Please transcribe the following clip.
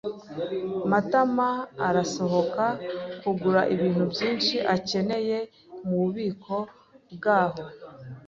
Matama arashobora kugura ibintu byinshi akeneye mububiko bwaho.